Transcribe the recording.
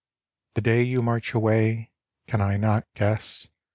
The day you march away cannot I guess?